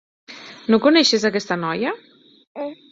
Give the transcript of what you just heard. No coneixes aquesta noia?